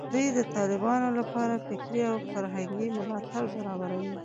دوی د طالبانو لپاره فکري او فرهنګي ملاتړ برابروي